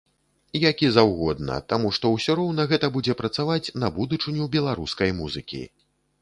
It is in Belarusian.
Які заўгодна, таму што ўсё роўна гэта будзе працаваць на будучыню беларускай музыкі.